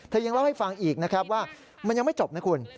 ยังเล่าให้ฟังอีกนะครับว่ามันยังไม่จบนะคุณ